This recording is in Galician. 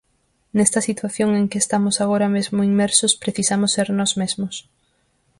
Nesta situación en que estamos agora mesmo inmersos precisamos ser nós mesmos.